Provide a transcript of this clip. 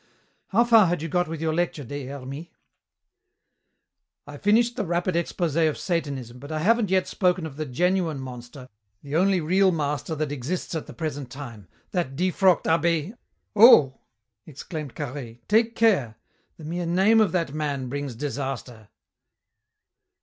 How far had you got with your lecture, Des Hermies?" "I finished the rapid expose of Satanism, but I haven't yet spoken of the genuine monster, the only real master that exists at the present time, that defrocked abbé " "Oh!" exclaimed Carhaix. "Take care. The mere name of that man brings disaster."